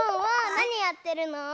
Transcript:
なにやってるの？